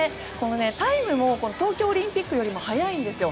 タイムも東京オリンピックよりも速いんですよ。